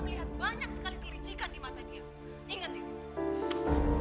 melihat banyak sekali terlicikan di mata dia inget inget